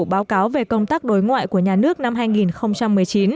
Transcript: báo cáo về công tác đối ngoại của nhà nước năm hai nghìn một mươi chín